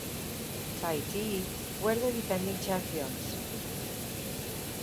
Tahiti were the defending champions.